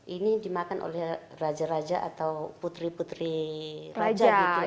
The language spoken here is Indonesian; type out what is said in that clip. ini dimakan oleh raja raja atau putri putri raja gitu ya